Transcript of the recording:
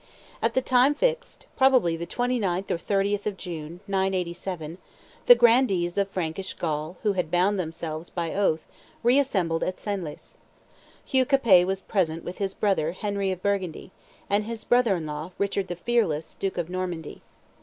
At the time fixed, probably the 29th or 30th of June, 987, the grandees of Frankish Gaul who had bound themselves by oath re assembled at Senlis. Hugh Capet was present with his brother Henry of Burgundy, and his brother in law Richard the Fearless, duke of Normandy.